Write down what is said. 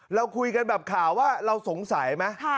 เราคุยกันแบบข่าวว่าเราสงสัยไหม